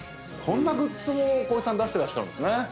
こんなグッズも光一さん出してらっしゃるんですね。